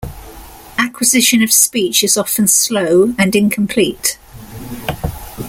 Acquisition of speech is often slow and incomplete.